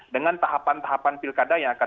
dengan tahapan tahapan pilkada yang akan